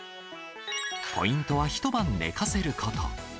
ポイントはひと晩寝かせること。